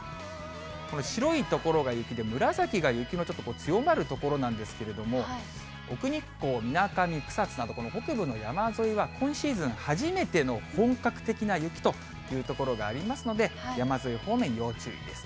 白い所が雪で、紫が雪の強まる所なんですけれども、奥日光、みなかみ、草津など、この北部の山沿いは、今シーズン初めての本格的な雪という所がありますので、山沿い方面、要注意です。